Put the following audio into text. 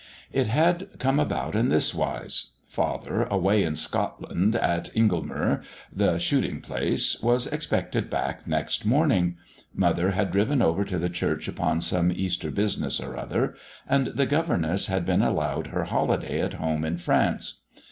It had come about in this wise. Father, away in Scotland, at Inglemuir, the shooting place, was expected back next morning; Mother had driven over to the church upon some Easter business or other; and the governess had been allowed her holiday at home in France.